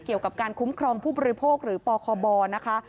เกี่ยวกับการคุ้มครองผู้บริโภคหรือปคบนะคะ